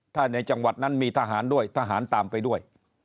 ถ้าในจังหวัดนั้นมีทหารด้วยทหารตามไปด้วย